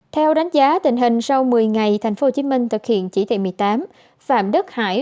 theo đánh giá tình hình sau một mươi ngày thành phố hồ chí minh thực hiện chỉ thị một mươi tám phạm đức hải